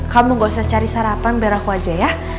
kamu gak usah cari sarapan biar aku aja ya